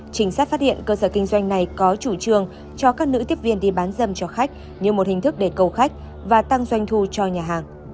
chính xác phát hiện cơ sở kinh doanh này có chủ trương cho các nữ tiếp viên đi bán dâm cho khách như một hình thức để cầu khách và tăng doanh thu cho nhà hàng